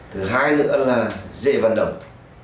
thứ hai nữa là dễ vận động